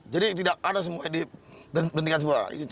jadi tidak ada semua yang diberikan sebuah